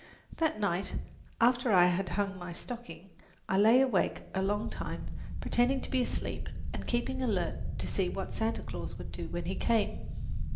That night, after I had hung my stocking, I lay awake a long time, pretending to be asleep and keeping alert to see what Santa Claus would do when he came.